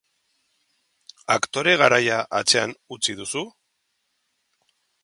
Aktore garaia atzean utzi duzu?